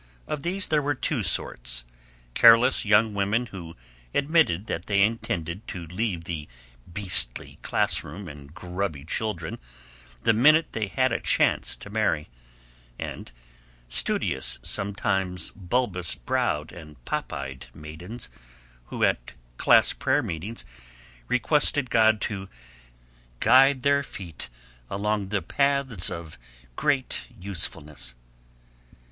Of these there were two sorts: careless young women who admitted that they intended to leave the "beastly classroom and grubby children" the minute they had a chance to marry; and studious, sometimes bulbous browed and pop eyed maidens who at class prayer meetings requested God to "guide their feet along the paths of greatest usefulness."